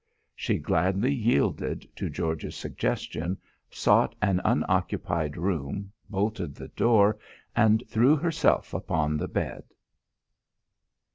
She gladly yielded to George's suggestion, sought an unoccupied room, bolted the door, and threw herself upon the bed.